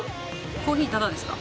コーヒー、タダですか？